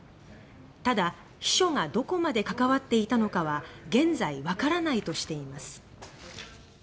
ただ、「秘書がどこまで関わっていたのかは現在わからない」としています。